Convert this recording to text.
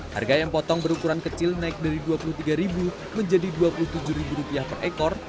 harga ayam potong berukuran kecil naik dari rp dua puluh tiga menjadi rp dua puluh tujuh per ekor